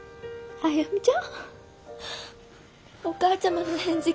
歩ちゃん。